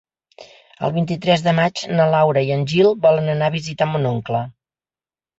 El vint-i-tres de maig na Laura i en Gil volen anar a visitar mon oncle.